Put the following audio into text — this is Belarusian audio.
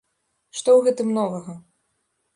Што ў гэтым новага?